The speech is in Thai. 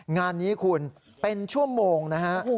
งานนี้คุณเป็นชั่วโมงนะฮะ